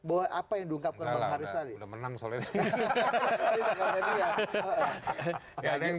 apa yang diungkapkan bang haris tadi